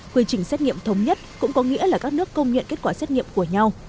quy trình xét nghiệm thống nhất cũng có nghĩa là các nước công nhận kết quả xét nghiệm của nhau